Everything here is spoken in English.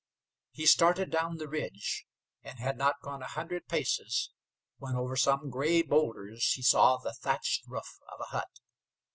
He started down the ridge, and had not gone a hundred paces when over some gray boulders he saw the thatched roof of a hut.